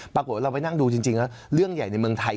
ปรากฏว่าเราไปนั่งดูจริงแล้วเรื่องใหญ่ในเมืองไทย